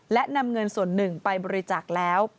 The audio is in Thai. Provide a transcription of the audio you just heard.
และนำเงินส่วนหนึ่งไปบริจาคแล้ว